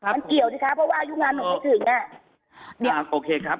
มันเกี่ยวสิคะเพราะว่าอายุงานหนูไม่ถึง